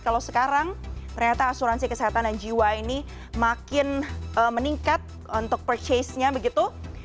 kalau sekarang ternyata asuransi kesehatan dan jiwa ini makin meningkat untuk purchase nya begitu